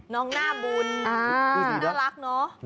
น้องน่าบุญน่ารักเนาะ